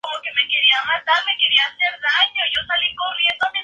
El libro "Copa de Huesos.